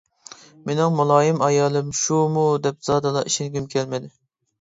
مېنىڭ مۇلايىم ئايالىم شۇمۇ دەپ زادىلا ئىشەنگۈم كەلمىدى.